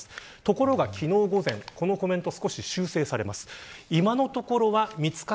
ところが昨日午前、このコメント少し修正されます。